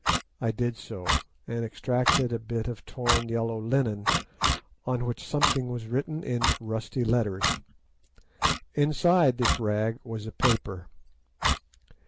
I did so, and extracted a bit of torn yellow linen on which something was written in rusty letters. Inside this rag was a paper.